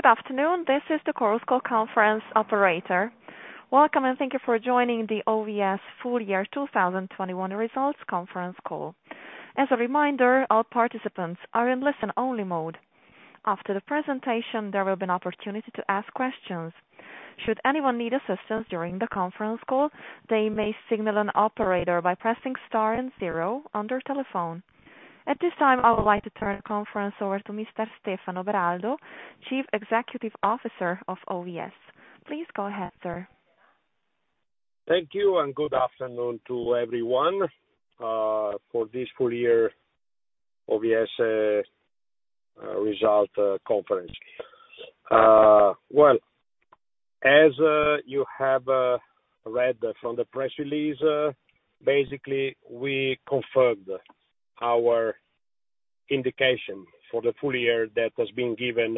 Good afternoon. This is the Chorus Call Conference operator. Welcome, and thank you for joining the OVS full year 2021 results conference call. As a reminder, all participants are in listen-only mode. After the presentation, there will be an opportunity to ask questions. Should anyone need assistance during the conference call, they may signal an operator by pressing star and zero on their telephone. At this time, I would like to turn the conference over to Mr. Stefano Beraldo, Chief Executive Officer of OVS. Please go ahead, sir. Thank you, good afternoon to everyone for this full year OVS result conference. Well, as you have read from the press release, basically, we confirmed our indication for the full year that has been given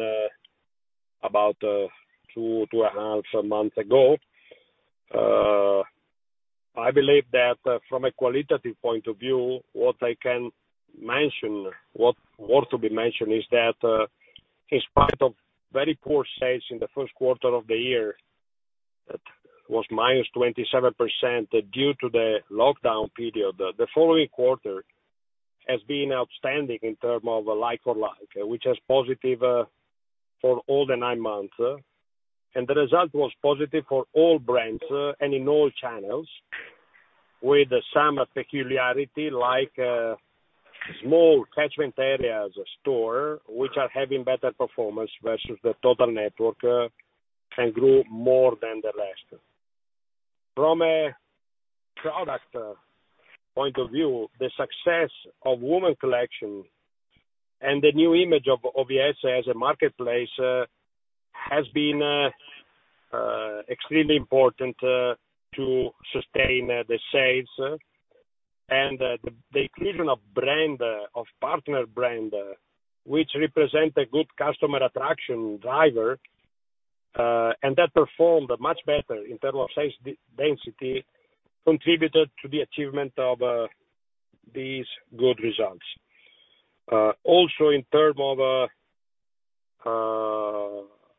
about two and a half months ago. I believe that from a qualitative point of view, what worth to be mentioned is that in spite of very poor sales in the first quarter of the year, that was -27% due to the lockdown period. The following quarter has been outstanding in term of like-for-like, which is positive for all the nine months. The result was positive for all brands and in all channels, with some peculiarity like small catchment areas store, which are having better performance versus the total network, and grew more than the rest. From a product point of view, the success of woman collection and the new image of OVS as a marketplace has been extremely important to sustain the sales and the inclusion of partner brand, which represent a good customer attraction driver, and that performed much better in terms of sales density, contributed to the achievement of these good results. Also, in term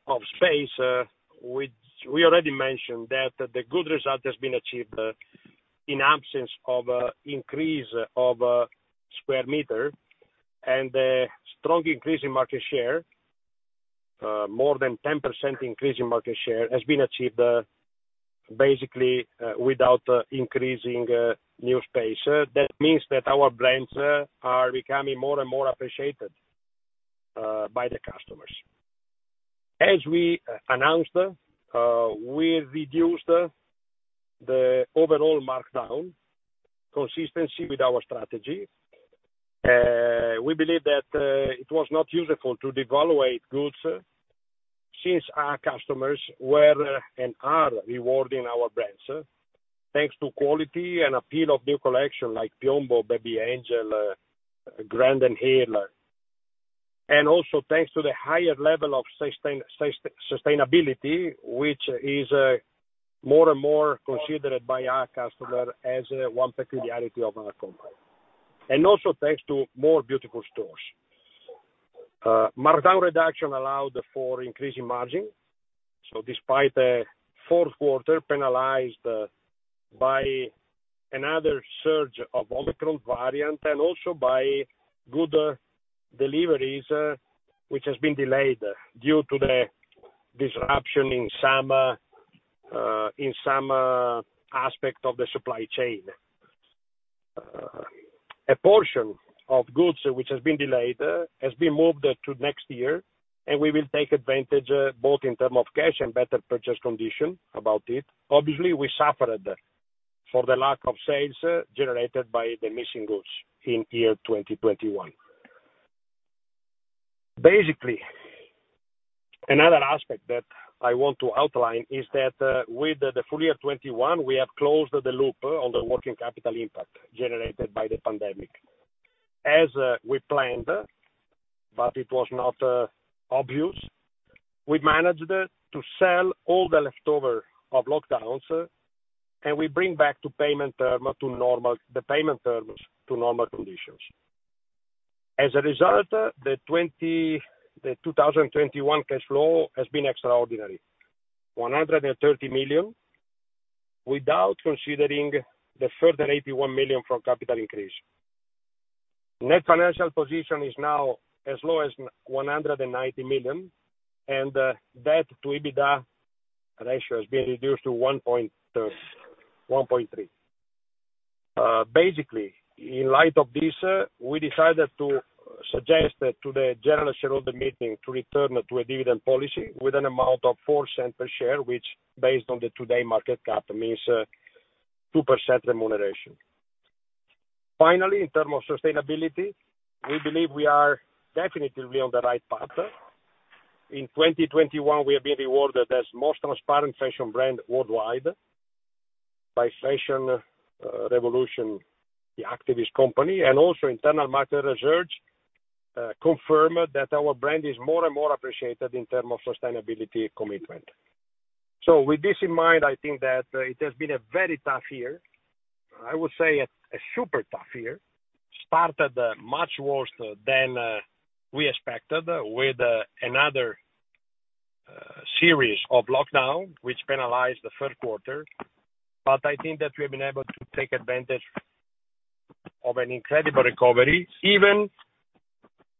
of space, we already mentioned that the good result has been achieved in absence of increase of square meter and a strong increase in market share. More than 10% increase in market share has been achieved, basically, without increasing new space. That means that our brands are becoming more and more appreciated by the customers. As we announced, we reduced the overall markdown, consistency with our strategy. We believe that it was not useful to devaluate goods since our customers were and are rewarding our brands. Thanks to quality and appeal of new collection like Piombo, B.Angel, Grand & Hills, and also thanks to the higher level of sustainability, which is more and more considered by our customer as one peculiarity of our company. Also thanks to more beautiful stores. Markdown reduction allowed for increase in margin, despite fourth quarter penalized by another surge of Omicron variant, also by good deliveries which has been delayed due to the disruption in some aspect of the supply chain. A portion of goods which has been delayed has been moved to next year, we will take advantage both in term of cash and better purchase condition about it. Obviously, we suffered for the lack of sales generated by the missing goods in year 2021. Basically, another aspect that I want to outline is that with the full year 2021, we have closed the loop on the working capital impact generated by the pandemic. As we planned, but it was not obvious, we managed to sell all the leftover of lockdowns, and we bring back the payment terms to normal conditions. As a result, the 2021 cash flow has been extraordinary, 130 million, without considering the further 81 million from capital increase. Net financial position is now as low as 190 million, and debt to EBITDA ratio has been reduced to 1.3. Basically, in light of this, we decided to suggest to the general shareholder meeting to return to a dividend policy with an amount of 0.04 per share, which, based on the today market cap, means 2% remuneration. Finally, in terms of sustainability, we believe we are definitely on the right path. In 2021, we have been rewarded as most transparent fashion brand worldwide by Fashion Revolution, the activist company, and also internal market research confirmed that our brand is more and more appreciated in terms of sustainability commitment. With this in mind, I think that it has been a very tough year. I would say a super tough year. It started much worse than we expected with another series of lockdown, which penalized the first quarter. But I think that we have been able to take advantage of an incredible recovery, even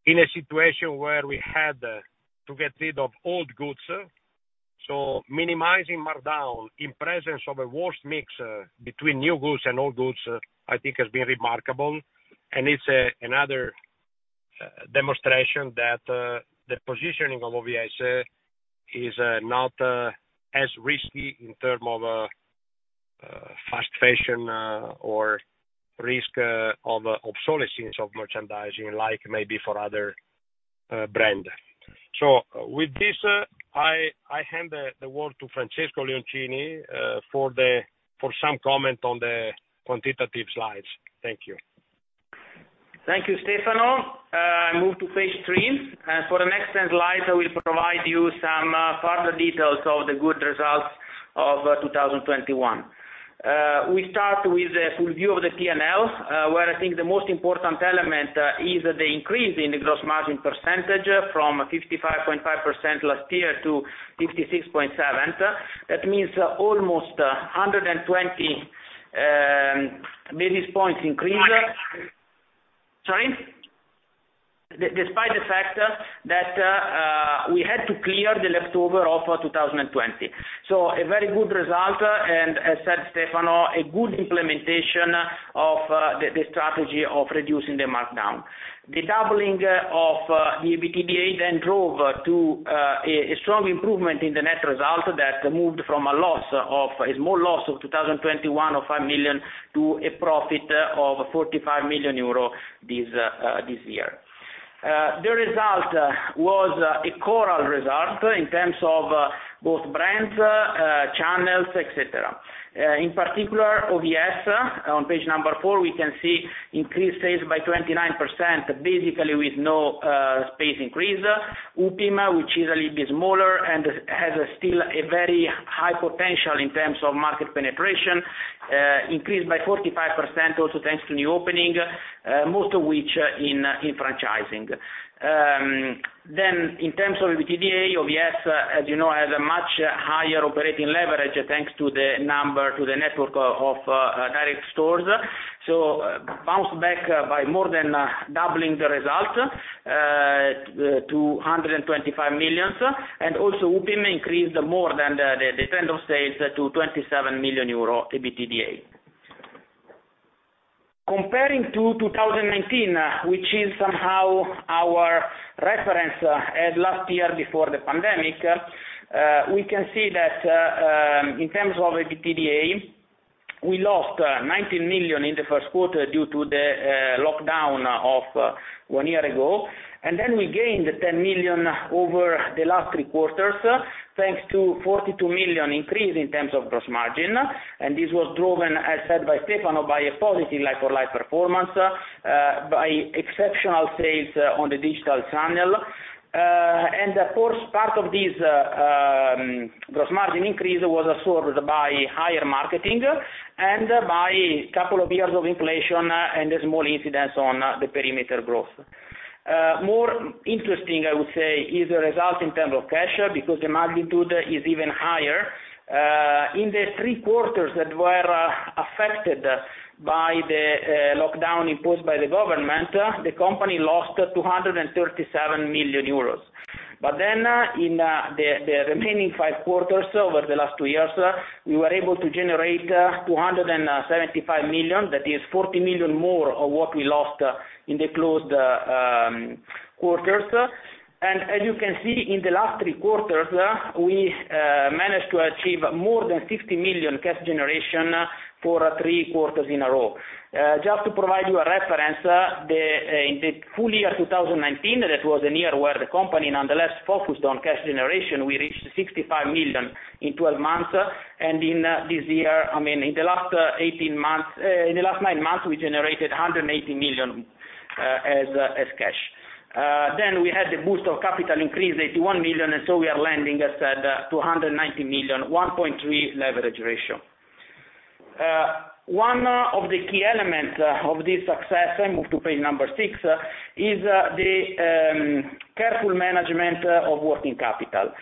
in a situation where we had to get rid of old goods. Minimizing markdown in presence of a worse mix between new goods and old goods, I think has been remarkable, and it's another demonstration that the positioning of OVS is not as risky in terms of fast fashion or risk of obsolescence of merchandising like maybe for other brand. With this, I hand the word to Francesco Leoncini, for some comment on the quantitative slides. Thank you. Thank you, Stefano. I move to page three. For the next slide, I will provide you some further details of the good results of 2021. We start with a full view of the P&L, where I think the most important element is the increase in the gross margin percentage from 55.5% last year to 56.7%. That means almost 120 basis points increase. Sorry? Despite the fact that we had to clear the leftover of 2020. A very good result, and as said Stefano, a good implementation of the strategy of reducing the markdown. The doubling of the EBITDA then drove to a strong improvement in the net result that moved from a small loss of 2021 of 5 million to a profit of 45 million euro this year. The result was an overall result in terms of both brands, channels, et cetera. In particular, OVS on page four, we can see increased sales by 29%, basically with no space increase. Upim, which is a little bit smaller and has still a very high potential in terms of market penetration, increased by 45% also thanks to new opening, most of which in franchising. In terms of EBITDA, OVS, as you know, has a much higher operating leverage thanks to the network of direct stores. So bounced back by more than doubling the result to 125 million. Upim also increased more than the trend of sales to 27 million euro EBITDA. Comparing to 2019, which is somehow our reference at last year before the pandemic, we can see that in terms of EBITDA, we lost 19 million in the first quarter due to the lockdown of one year ago. We gained 10 million over the last three quarters, thanks to 42 million increase in terms of gross margin. This was driven, as said by Stefano, by a positive like-for-like performance, by exceptional sales on the digital channel. Of course, part of this gross margin increase was absorbed by higher marketing and by couple of years of inflation and the small incidence on the perimeter growth. More interesting, I would say, is the result in terms of cash, because the magnitude is even higher. In the three quarters that were affected by the lockdown imposed by the government, the company lost 237 million euros. But then in the remaining five quarters over the last two years, we were able to generate 275 million. That is 40 million more of what we lost in the closed quarters. As you can see in the last three quarters, we managed to achieve more than 50 million cash generation for three quarters in a row. Just to provide you a reference, in the full year 2019, that was a year where the company nonetheless focused on cash generation, we reached 65 million in 12 months. In the last nine months, we generated 180 million as cash. We had the boost of capital increase, 81 million. We are landing, as said, 290 million, 1.3 leverage ratio. One of the key elements of this success, I move to page six, is the careful management of working capital.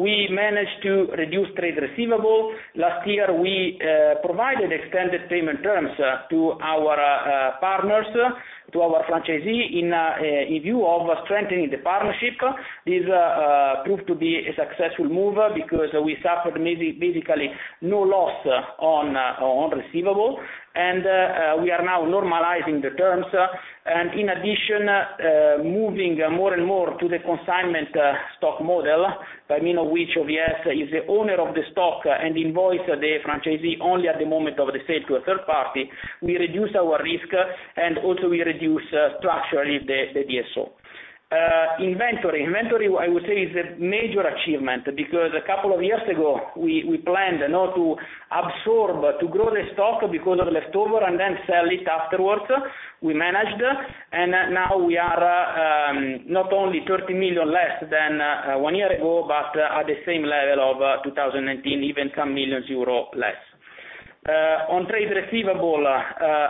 We managed to reduce trade receivables. Last year, we provided extended payment terms to our partners, to our franchisee in view of strengthening the partnership. This proved to be a successful move because we suffered basically no loss on receivables, and we are now normalizing the terms. In addition, moving more and more to the consignment stock model, by means of which OVS is the owner of the stock and invoice the franchisee only at the moment of the sale to a third party, we reduce our risk and also we reduce structurally the DSO. Inventory, I would say is a major achievement because a couple of years ago, we planned in order to absorb, to grow the stock because of leftover and then sell it afterwards. We managed, and now we are not only 30 million less than one year ago, but at the same level of 2019, even some millions EUR less. On trade receivable,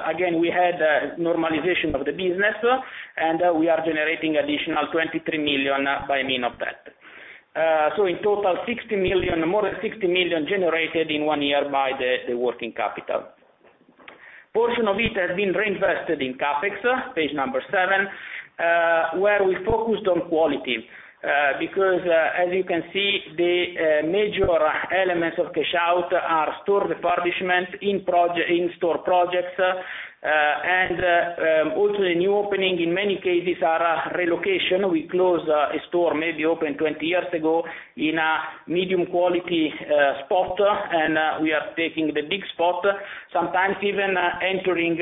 again, we had a normalization of the business. We are generating additional 23 million by means of that. In total, more than 60 million generated in one year by the working capital. Portion of it has been reinvested in CapEx, page number seven, where we focused on quality. As you can see, the major elements of cash out are store replenishment, in-store projects, and also the new opening, in many cases, are relocation. We close a store maybe opened 20 years ago in a medium quality spot. We are taking the big spot, sometimes even entering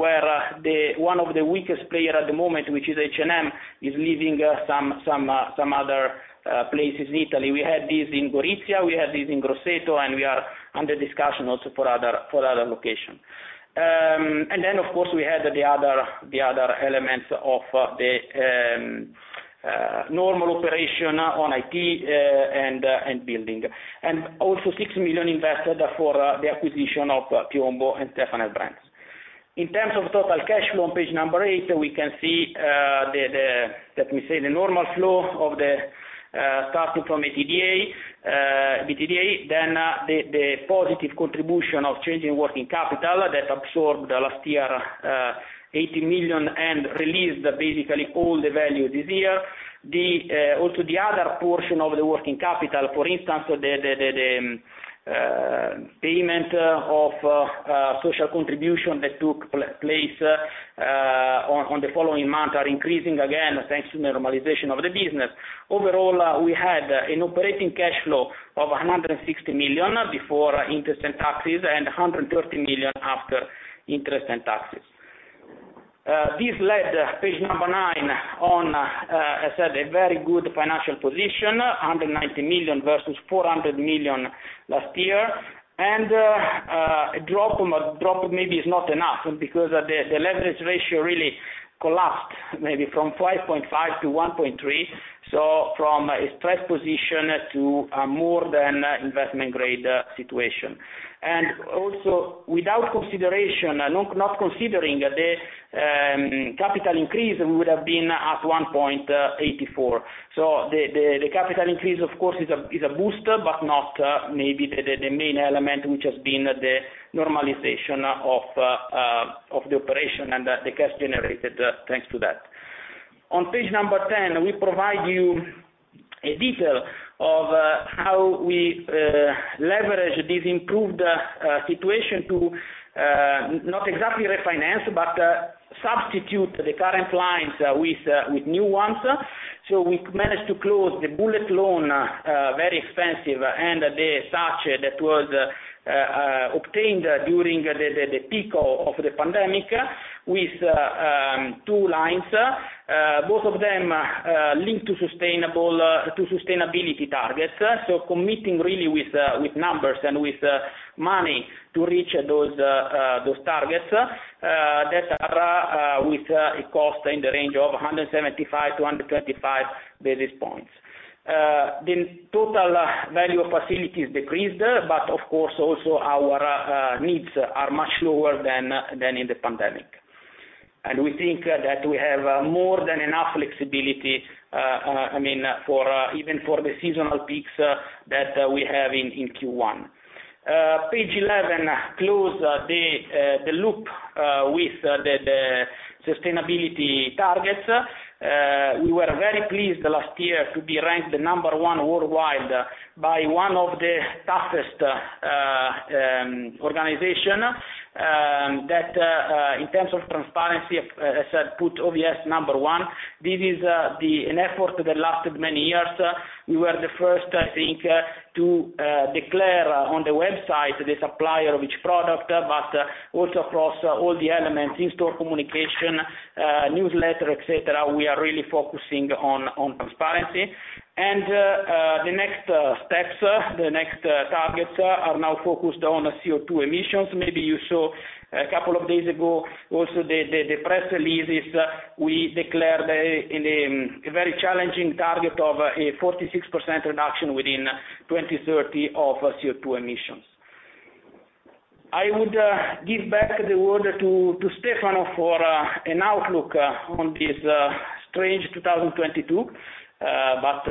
where one of the weakest player at the moment, which is H&M, is leaving some other places in Italy. We had this in Gorizia, we had this in Grosseto. We are under discussion also for other location. Of course, we had the other elements of the normal operation on IT and building. Also 6 million invested for the acquisition of Piombo and Stefanel brands. In terms of total cash flow, on page number eight, we can see the, let me say, the normal flow, starting from EBITDA. The positive contribution of changing working capital that absorbed the last year, 18 million, released basically all the value this year. The other portion of the working capital, for instance, the payment of social contribution that took place on the following month are increasing again, thanks to normalization of the business. Overall, we had an operating cash flow of 160 million before interest and taxes and 130 million after interest and taxes. This led, page number nine, on, as I said, a very good financial position, 190 million versus 400 million last year. A drop, maybe is not enough because the leverage ratio really collapsed, maybe from 5.5 to 1.3, from a stressed position to a more than investment grade situation. Also not considering the capital increase, we would have been at 1.84. The capital increase, of course, is a booster, not maybe the main element, which has been the normalization of the operation and the cash generated, thanks to that. On page number 10, we provide you a detail of how we leverage this improved situation to, not exactly refinance, substitute the current lines with new ones. We managed to close the bullet loan, very expensive, the SACE that was obtained during the peak of the pandemic with two lines, both of them linked to sustainability targets. Committing really with numbers and with money to reach those targets, that are with a cost in the range of 175-125 basis points. The total value of facilities decreased. Of course, also our needs are much lower than in the pandemic. We think that we have more than enough flexibility, even for the seasonal peaks that we have in Q1. Page 11 close the loop with the sustainability targets. We were very pleased last year to be ranked the number one worldwide by one of the toughest organization, that in terms of transparency, as I said, put OVS number one. This is an effort that lasted many years. We were the first, I think, to declare on the website the supplier of each product, also across all the elements, in-store communication, newsletter, et cetera, we are really focusing on transparency. The next steps, the next targets, are now focused on CO2 emissions. Maybe you saw a couple of days ago also the press releases. We declared a very challenging target of a 46% reduction within 2030 of CO2 emissions. I would give back the word to Stefano for an outlook on this strange 2022, but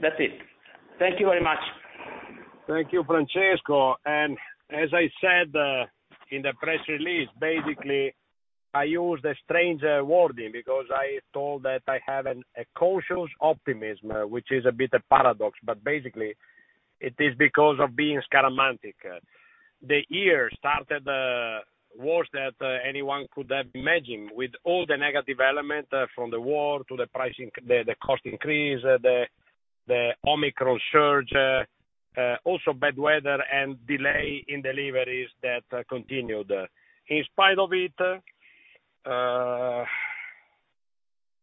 that's it. Thank you very much. Thank you, Francesco. As I said in the press release, basically, I used a strange wording because I told that I have a cautious optimism, which is a bit a paradox, but basically it is because of being scaramantico. The year started worse that anyone could have imagined with all the negative element from the war to the cost increase, the Omicron surge, also bad weather and delay in deliveries that continued. In spite of it,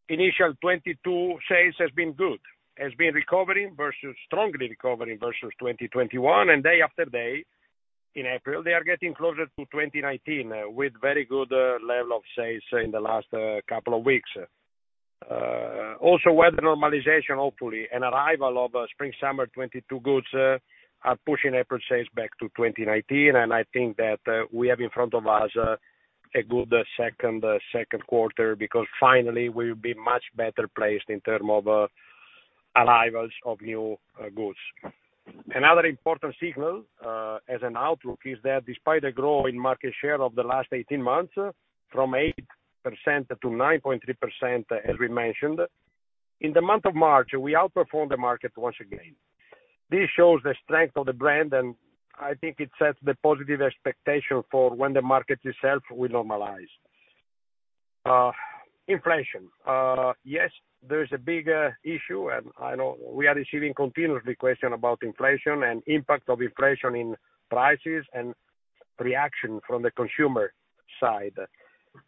initial 2022 sales has been good. Has been strongly recovering versus 2021, and day after day in April, they are getting closer to 2019 with very good level of sales in the last couple of weeks. Also weather normalization, hopefully, and arrival of spring/summer 2022 goods are pushing up our sales back to 2019. I think that we have in front of us a good second quarter, because finally, we'll be much better placed in term of arrivals of new goods. Another important signal, as an outlook, is that despite the growth in market share of the last 18 months, from 8%-9.3%, as we mentioned, in the month of March, we outperformed the market once again. This shows the strength of the brand, and I think it sets the positive expectation for when the market itself will normalize. Inflation. Yes, there is a big issue, and I know we are receiving continuously question about inflation and impact of inflation in prices and reaction from the consumer side.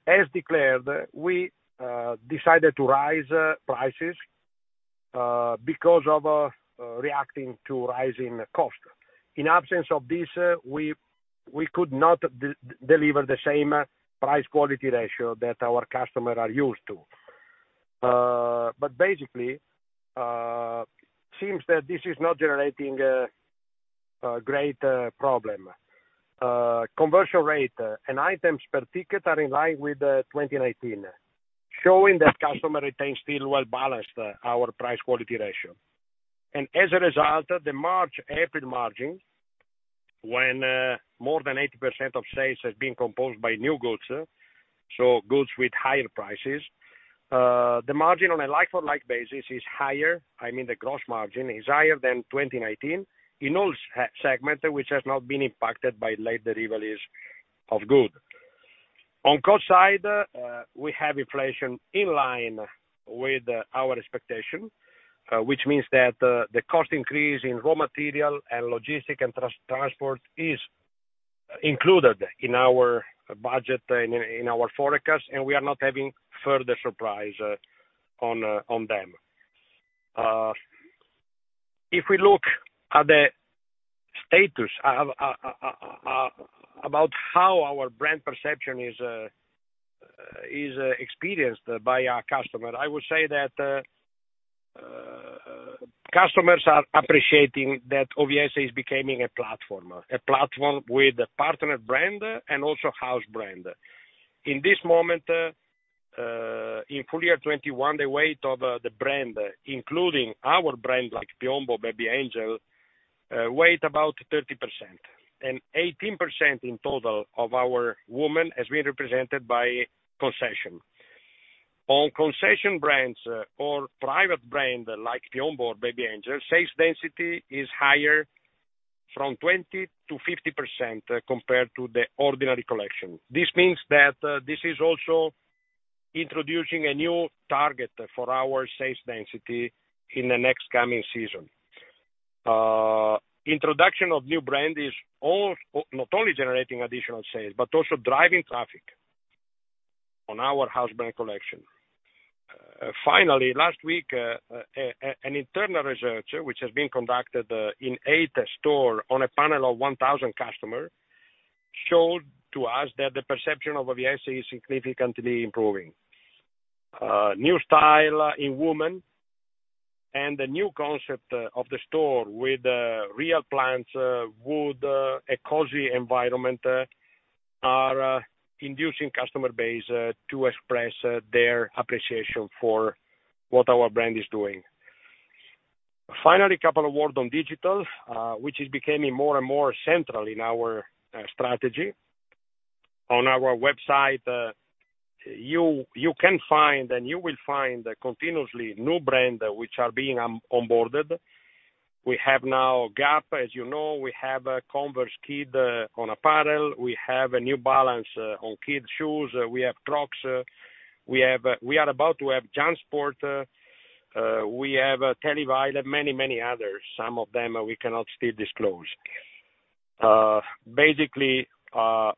As declared, we decided to rise prices because of reacting to rising cost. In absence of this, we could not deliver the same price/quality ratio that our customer are used to. Basically, seems that this is not generating a great problem. Conversion rate and items per ticket are in line with 2019, showing that customer retains still well-balanced our price/quality ratio. As a result, the March, April margin, when more than 80% of sales has been composed by new goods, so goods with higher prices, the margin on a like-for-like basis is higher. I mean, the gross margin is higher than 2019 in all segment, which has not been impacted by late deliveries of good. On cost side, we have inflation in line with our expectation, which means that the cost increase in raw material and logistic and transport is included in our budget and in our forecast, and we are not having further surprise on them. If we look at the status about how our brand perception is experienced by our customer, I would say that customers are appreciating that OVS is becoming a platform. A platform with a partner brand and also house brand. In this moment, in full year 2021, the weight of the brand, including our brand like Piombo, B.Angel, weight about 30%, and 18% in total of our woman is being represented by concession. On concession brands or private brand like Piombo or B.Angel, sales density is higher from 20%-50% compared to the ordinary collection. This means that this is also introducing a new target for our sales density in the next coming season. Introduction of new brand is not only generating additional sales, but also driving traffic on our house brand collection. Finally, last week, an internal research, which has been conducted in 8 store on a panel of 1,000 customer, showed to us that the perception of OVS is significantly improving. New style in woman and the new concept of the store with real plants, wood, a cozy environment, are inducing customer base to express their appreciation for what our brand is doing. Finally, a couple of words on digital, which is becoming more and more central in our strategy. On our website, you can find, and you will find continuously new brand which are being onboarded. We have now Gap. As you know, we have Converse Kids on apparel. We have New Balance on kid shoes. We have Crocs. We are about to have JanSport. We have Teddy Blake, many others. Some of them we cannot still disclose. Basically, the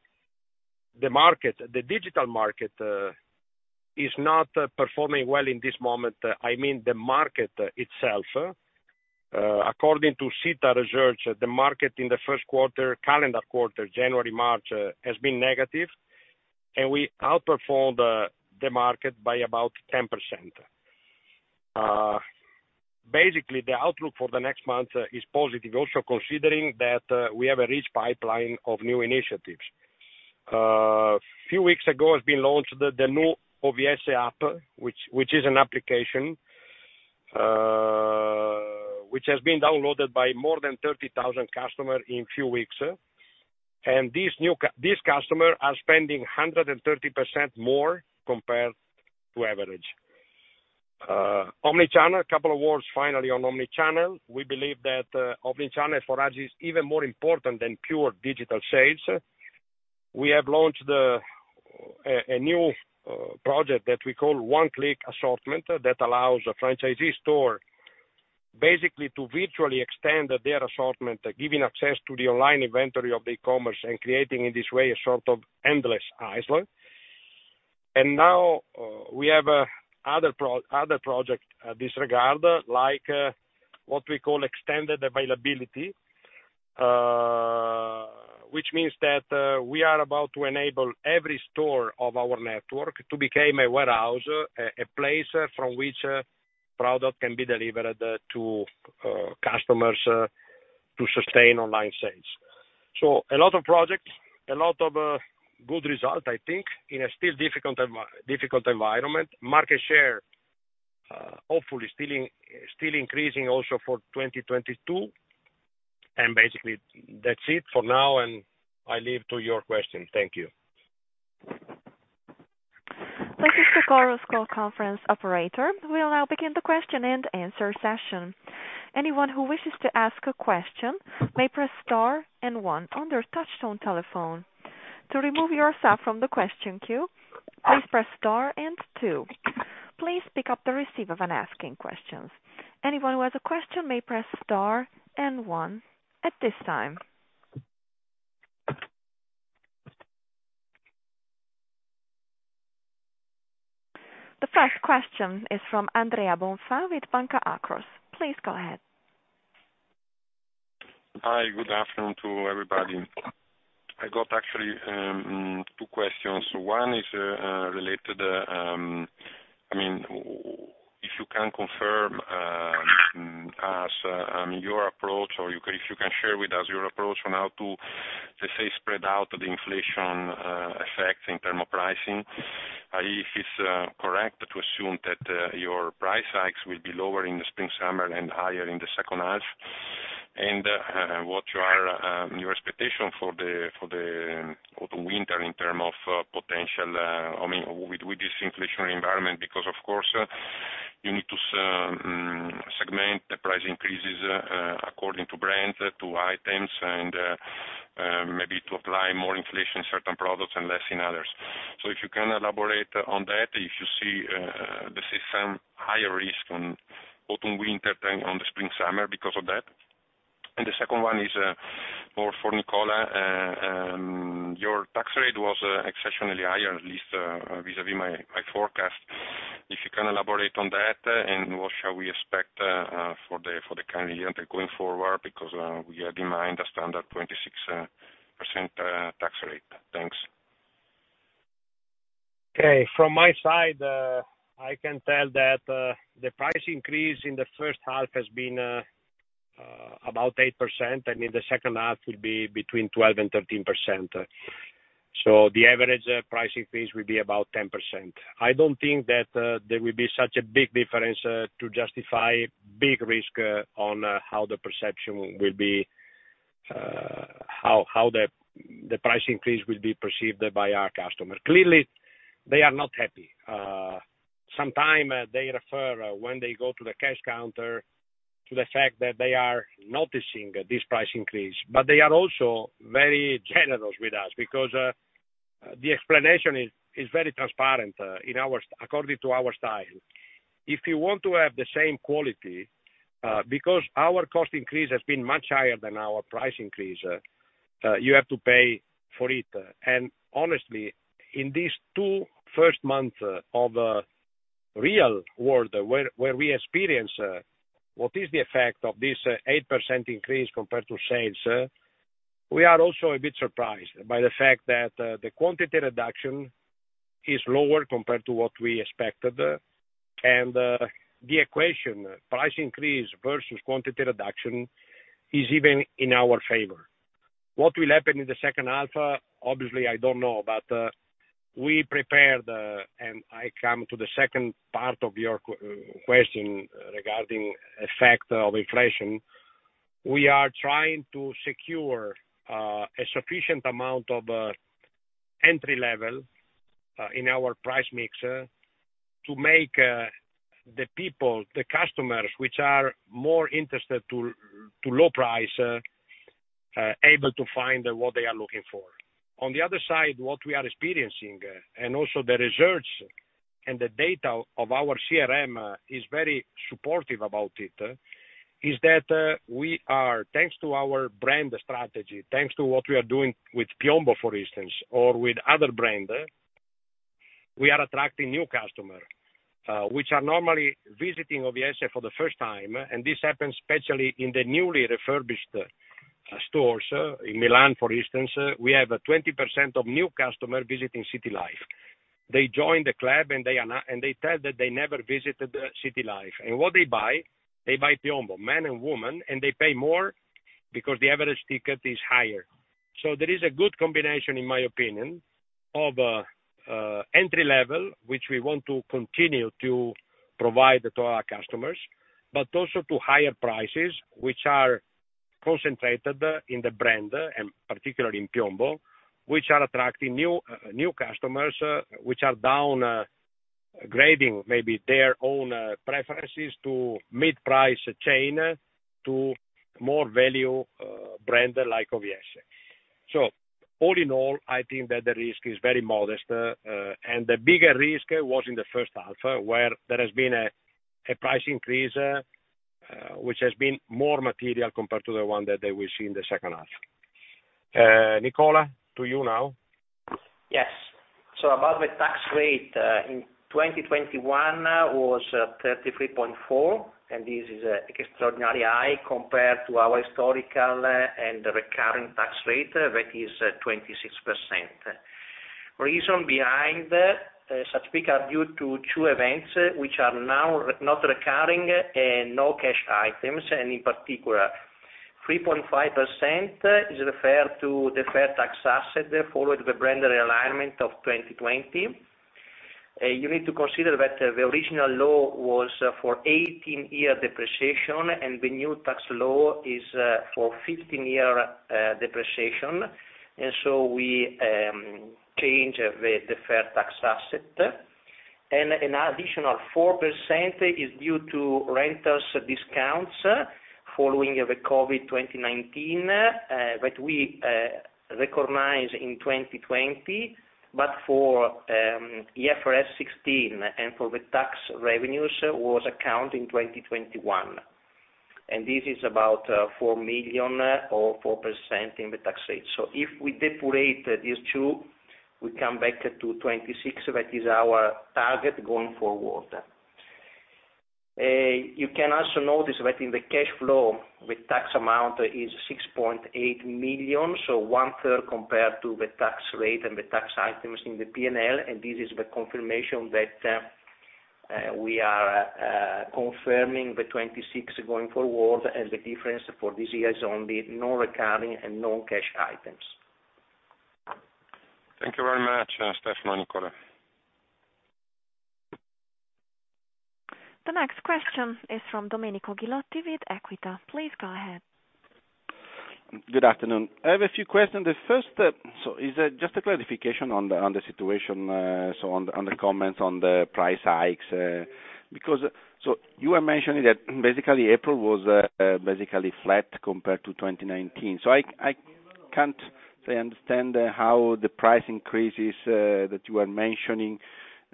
digital market is not performing well in this moment. I mean the market itself. According to Sita Ricerca, the market in the first quarter, calendar quarter, January-March, has been negative, and we outperformed the market by about 10%. Basically, the outlook for the next month is positive. Also considering that we have a rich pipeline of new initiatives. A few weeks ago has been launched the new OVS app, which is an application, which has been downloaded by more than 30,000 customer in few weeks. And these customer are spending 130% more compared to average. Omnichannel. A couple of words finally on omnichannel. We believe that omnichannel for us is even more important than pure digital sales. We have launched a new project that we call One Click Assortment that allows a franchisee store basically to virtually extend their assortment, giving access to the online inventory of the e-commerce and creating, in this way, a sort of endless aisle. And now, we have other project disregard, like what we call extended availability. Which means that we are about to enable every store of our network to become a warehouse, a place from which product can be delivered to customers to sustain online sales. So a lot of projects, a lot of good result, I think, in a still difficult environment. Market share, hopefully still increasing also for 2022. And basically, that's it for now, and I leave to your question. Thank you. This is the Chorus Call conference operator. We'll now begin the question and answer session. Anyone who wishes to ask a question may press star and one on their touchtone telephone. To remove yourself from the question queue, please press star and two. Please pick up the receiver when asking questions. Anyone who has a question may press star and one at this time. The first question is from Andrea Bonfà with Banca Akros. Please go ahead. Hi, good afternoon to everybody. I got actually two questions. One is related, if you can confirm your approach, or if you can share with us your approach on how to, let's say, spread out the inflation effect in terms of pricing. If it's correct to assume that your price hikes will be lower in the spring/summer and higher in the second half. What are your expectations for the winter in terms of potential with this inflationary environment? Because, of course, you need to segment the price increases according to brands, to items, and maybe to apply more inflation in certain products and less in others. So if you can elaborate on that, if you see, let's say, some higher risk on autumn/winter than on the spring/summer because of that. The second one is more for Nicola. Your tax rate was exceptionally higher, at least vis-à-vis my forecast. If you can elaborate on that, what shall we expect for the current year and going forward? Because we had in mind a standard 26% tax rate. Thanks. Okay. From my side, I can tell that the price increase in the first half has been about 8%. In the second half will be between 12% and 13%. The average price increase will be about 10%. I don't think that there will be such a big difference to justify big risk on how the perception will be, how the price increase will be perceived by our customers. Clearly, they are not happy. Sometimes they refer when they go to the cash counter to the fact that they are noticing this price increase. They are also very generous with us, because the explanation is very transparent according to our style. If you want to have the same quality, because our cost increase has been much higher than our price increase, you have to pay for it. Honestly, in these two first months of real world, where we experience what is the effect of this 8% increase compared to sales, we are also a bit surprised by the fact that the quantity reduction is lower compared to what we expected. The equation, price increase versus quantity reduction, is even in our favor. What will happen in the second half? Obviously, I don't know, but we prepared, and I come to the second part of your question regarding effect of inflation. We are trying to secure a sufficient amount of entry level in our price mix to make the people, the customers which are more interested to low price, able to find what they are looking for. On the other side, what we are experiencing, also the research and the data of our CRM is very supportive about it, is that we are, thanks to our brand strategy, thanks to what we are doing with Piombo, for instance, or with other brand, we are attracting new customer, which are normally visiting OVS for the first time. This happens especially in the newly refurbished stores. In Milan, for instance, we have 20% of new customer visiting City Life. They join the club, and they tell that they never visited City Life. What they buy? They buy Piombo, man and woman, and they pay more because the average ticket is higher. There is a good combination, in my opinion, of entry level, which we want to continue to provide to our customers, but also to higher prices, which are concentrated in the brand and particularly in Piombo, which are attracting new customers, which are downgrading maybe their own preferences to mid price chain, to more value brand like OVS. All in all, I think that the risk is very modest. The bigger risk was in the first half, where there has been a price increase which has been more material compared to the one that they will see in the second half. Nicola, to you now. Yes. About the tax rate, in 2021 was 33.4%, and this is extraordinarily high compared to our historical and recurring tax rate that is 26%. Reason behind such peak are due to two events, which are now not recurring and no cash items. In particular, 3.5% is referred to deferred tax asset following the brand realignment of 2020. You need to consider that the original law was for 18-year depreciation, and the new tax law is for 15-year depreciation. We change the deferred tax asset. An additional 4% is due to rentals discounts following the COVID-2019, that we recognized in 2020. But for IFRS 16 and for the tax revenues was accounting 2021, and this is about 4 million or 4% in the tax rate. If we depurate these two, we come back to 26%. That is our target going forward. You can also notice that in the cash flow, the tax amount is 6.8 million, so one-third compared to the tax rate and the tax items in the P&L. This is the confirmation that we are confirming the 26% going forward, and the difference for this year is only non-recurring and non-cash items. Thank you very much, Stefano and Nicola. The next question is from Domenico Ghilotti with Equita. Please go ahead. Good afternoon. I have a few questions. The first is just a clarification on the situation, so on the comments on the price hikes. You were mentioning that basically April was basically flat compared to 2019. I can't say I understand how the price increases that you are mentioning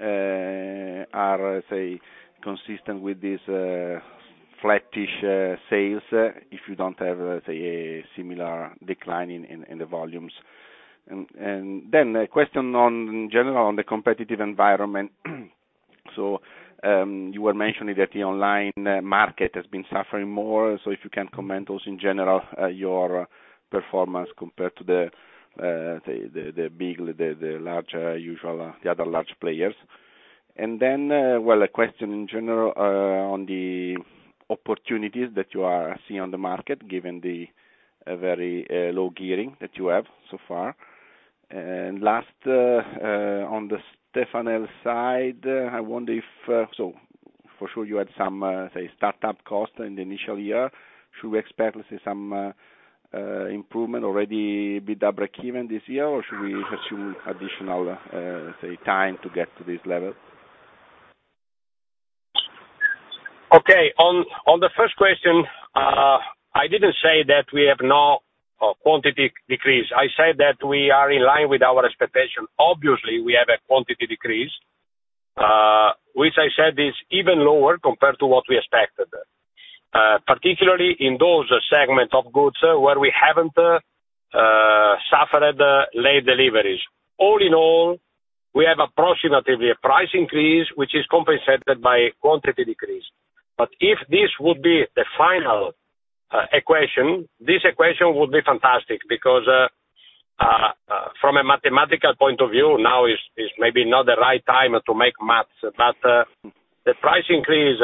are, say, consistent with these flattish sales if you don't have, say, a similar decline in the volumes. Then a question in general on the competitive environment. You were mentioning that the online market has been suffering more. If you can comment also in general, your performance compared to the other large players. Then, well, a question in general on the opportunities that you see on the market, given the very low gearing that you have so far. Last, on the Stefanel side, I wonder if for sure you had some startup cost in the initial year. Should we expect to see some improvement already be double breakeven this year? Should we assume additional time to get to this level? On the first question, I didn't say that we have no quantity decrease. I said that we are in line with our expectation. Obviously, we have a quantity decrease, which I said is even lower compared to what we expected. Particularly in those segment of goods where we haven't suffered late deliveries. All in all, we have approximately a price increase, which is compensated by quantity decrease. If this would be the final equation, this equation would be fantastic because from a mathematical point of view, now is maybe not the right time to make math. The price increase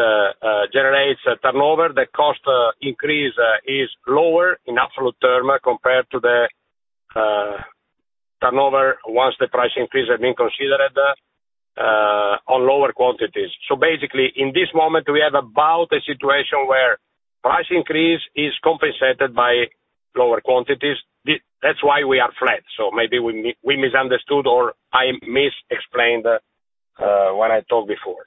generates a turnover. The cost increase is lower in absolute term compared to the turnover once the price increase has been considered on lower quantities. Basically, in this moment, we have a situation where price increase is compensated by lower quantities. That's why we are flat. Maybe we misunderstood, or I misexplained what I told before.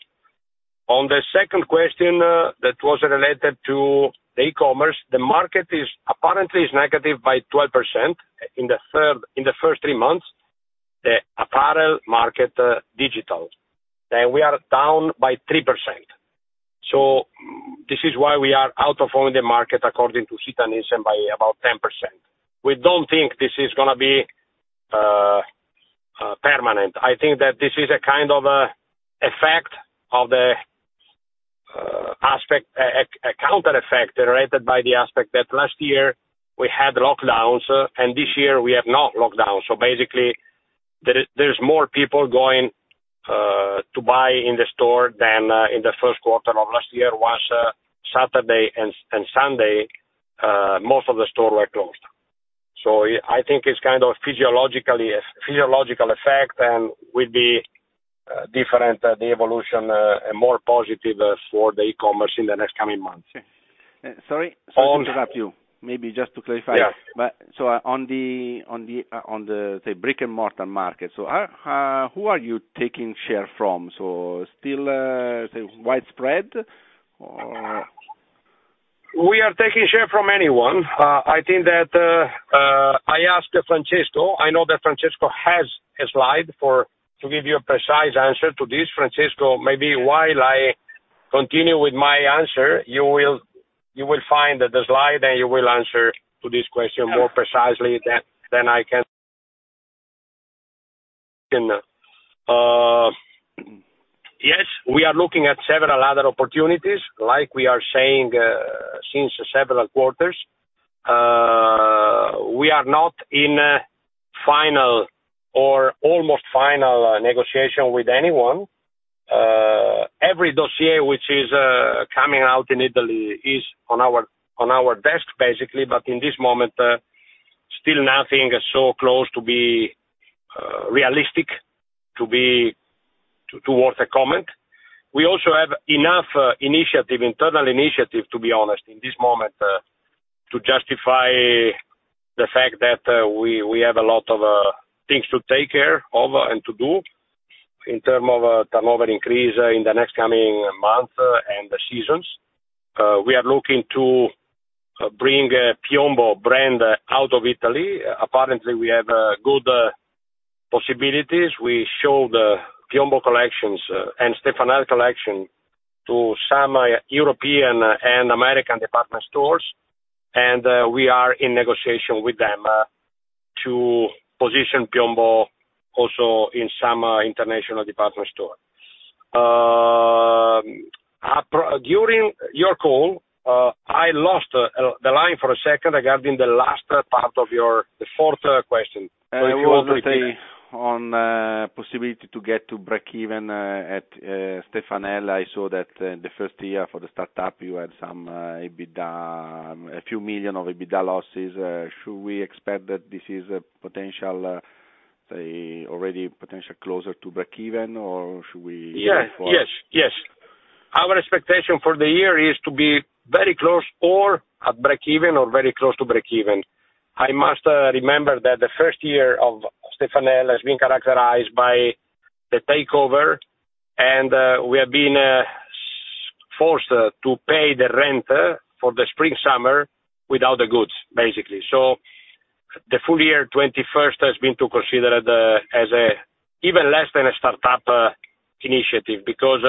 On the second question that was related to the e-commerce, the market apparently is negative by 12% in the first three months, the apparel market digital. We are down by 3%. This is why we are outperforming the market according to Sita Ricerca by about 10%. We don't think this is going to be permanent. I think that this is a kind of a counter effect generated by the aspect that last year we had lockdowns, and this year we have no lockdowns. Basically, there's more people going to buy in the store than in the first quarter of last year. Once Saturday and Sunday, most of the stores were closed. I think it's kind of physiological effect, and will be different, the evolution, and more positive for the e-commerce in the next coming months. Sorry to interrupt you. Maybe just to clarify. Yeah. On the, brick-and-mortar market. Who are you taking share from? Still, widespread? Or We are taking share from anyone. I asked Francesco. I know that Francesco has a slide to give you a precise answer to this. Francesco, maybe while I continue with my answer. You will find the slide, and you will answer to this question more precisely than I can. Yes, we are looking at several other opportunities, like we are saying since several quarters. We are not in final or almost final negotiation with anyone. Every dossier which is coming out in Italy is on our desk, basically. In this moment, still nothing so close to be realistic to worth a comment. We also have enough internal initiative, to be honest, in this moment, to justify the fact that we have a lot of things to take care of and to do in terms of turnover increase in the next coming month and the seasons. We are looking to bring Piombo brand out of Italy. Apparently, we have good possibilities. We show the Piombo collections and Stefanel collection to some European and American department stores, and we are in negotiation with them to position Piombo also in some international department store. During your call, I lost the line for a second regarding the last part of the fourth question. If you want to repeat it. I was on possibility to get to breakeven at Stefanel. I saw that the first year for the startup, you had a few million of EBITDA losses. Should we expect that this is already potential closer to breakeven, or should we wait? Yes. Our expectation for the year is to be very close, or at breakeven or very close to breakeven. I must remember that the first year of Stefanel has been characterized by the takeover, and we have been forced to pay the rent for the spring-summer without the goods, basically. The full year 2021 has been to consider as even less than a startup initiative because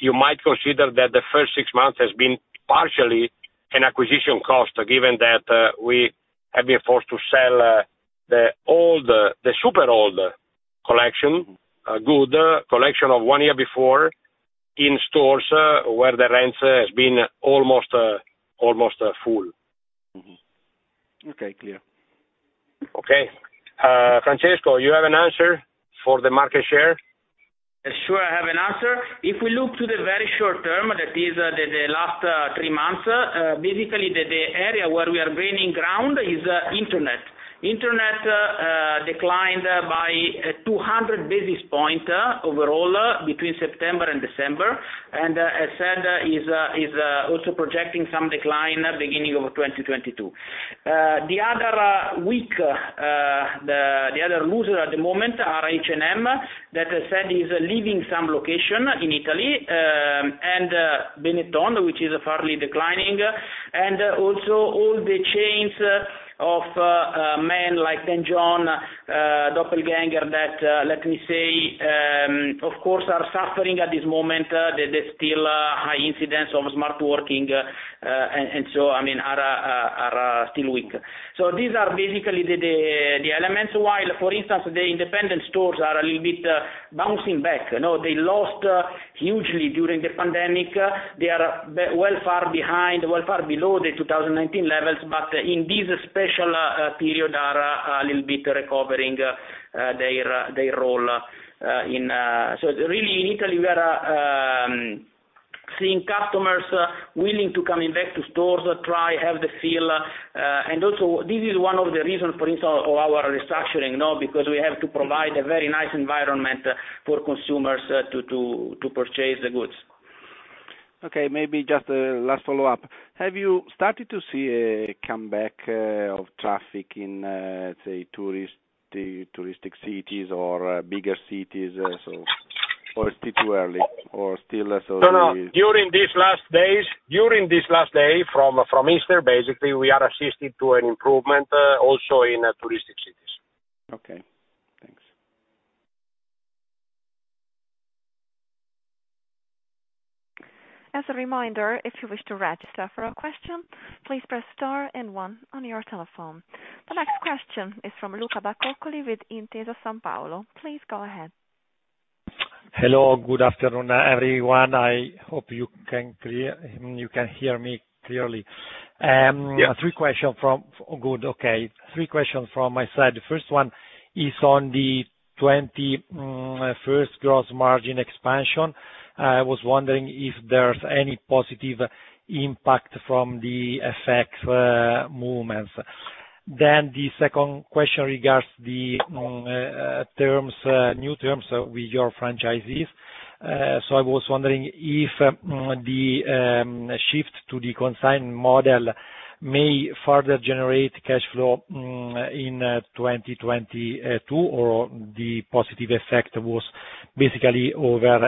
you might consider that the first six months has been partially an acquisition cost, given that we have been forced to sell the super old collection, good collection of one year before, in stores where the rent has been almost full. Okay, clear. Okay. Francesco, you have an answer for the market share? Sure, I have an answer. If we look to the very short term, that is the last three months, basically, the area where we are gaining ground is internet. Internet declined by 200 basis points overall between September and December, and as said, is also projecting some decline beginning of 2022. The other loser at the moment are H&M, that I said is leaving some location in Italy, and Benetton, which is fairly declining. Also all the chains of men like Dan John, Doppelgänger that, let me say, of course, are suffering at this moment. There's still a high incidence of smart working, and so are still weak. These are basically the elements, while, for instance, the independent stores are a little bit bouncing back. They lost hugely during the pandemic. They are well far below the 2019 levels, in this special period are a little bit recovering their role. Really, in Italy, we are seeing customers willing to come invest to stores, try, have the feel. Also, this is one of the reasons, for instance, of our restructuring, because we have to provide a very nice environment for consumers to purchase the goods. Okay, maybe just a last follow-up. Have you started to see a comeback of traffic in, say, touristic cities or bigger cities, or still too early? No. During this last day from Easter, basically, we are assisting to an improvement also in touristic cities. Okay. Thanks. As a reminder, if you wish to register for a question, please press star and one on your telephone. The next question is from Luca Bacoccoli with Intesa Sanpaolo. Please go ahead. Hello. Good afternoon, everyone. I hope you can hear me clearly. Yes. Good, okay. three questions from my side. The first one is on the 2021 gross margin expansion. I was wondering if there's any positive impact from the FX movements. The second question regards the new terms with your franchisees. I was wondering if the shift to the consign model may further generate cash flow in 2022, or the positive effect was basically over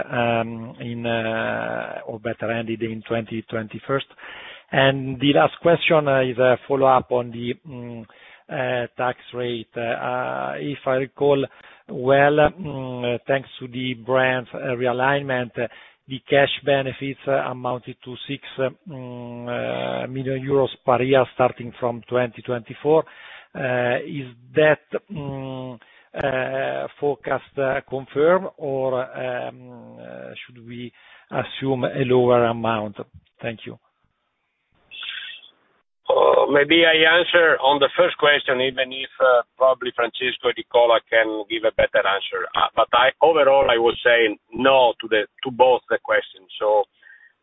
or better ended in 2021. The last question is a follow-up on the tax rate. If I recall well, thanks to the brand realignment, the cash benefits amounted to 6 million euros per year starting from 2024. Is that forecast confirmed, or should we assume a lower amount? Thank you. Maybe I answer on the first question, even if probably Francesco or Nicola can give a better answer. Overall, I will say no to both the questions.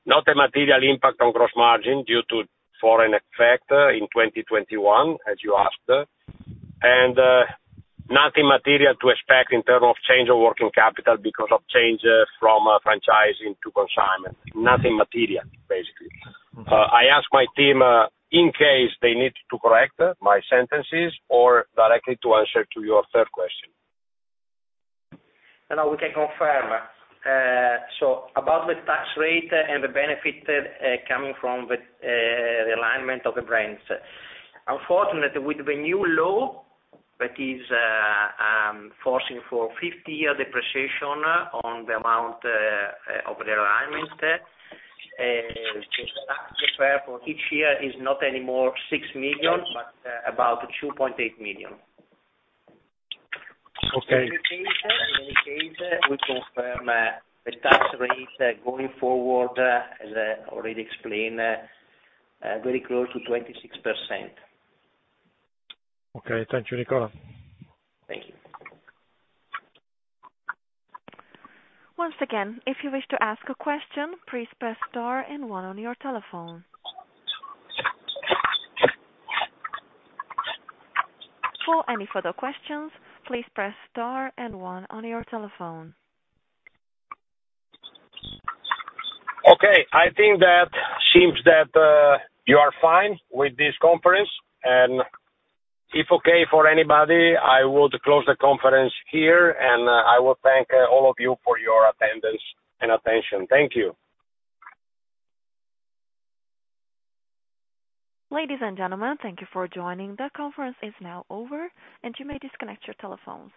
Not a material impact on gross margin due to foreign effect in 2021, as you asked, nothing material to expect in terms of change of working capital because of changes from franchising to consignment. Nothing material, basically. I ask my team, in case they need to correct my sentences or directly to answer to your third question. No, we can confirm. About the tax rate and the benefit coming from the realignment of the brands. Unfortunately, with the new law that is forcing for 50-year depreciation on the amount of the alignment, just to prepare for each year is not anymore 6 million, but about 2.8 million. Okay. In any case, we confirm the tax rate going forward, as I already explained, very close to 26%. Okay. Thank you, Nicola. Thank you. Once again, if you wish to ask a question, please press star and one on your telephone. For any further questions, please press star and one on your telephone. Okay. I think that seems that you are fine with this conference, and if okay for anybody, I would close the conference here, and I will thank all of you for your attendance and attention. Thank you. Ladies and gentlemen, thank you for joining. The conference is now over, and you may disconnect your telephones.